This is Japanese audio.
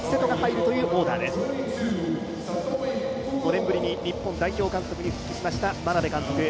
５年ぶりに日本代表監督に復帰した眞鍋監督